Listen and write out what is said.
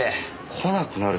来なくなる